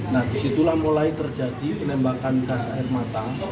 nah disitulah mulai terjadi penembakan gas air matang